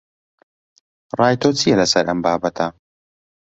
ڕای تۆ چییە لەسەر ئەم بابەتە؟